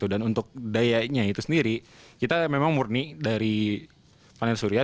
dan untuk dayanya itu sendiri kita memang murni dari panel surya